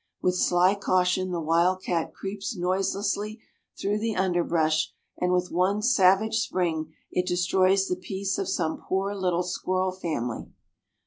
With sly caution the wild cat creeps noiselessly through the underbrush, and with one savage spring it destroys the peace of some poor little squirrel family.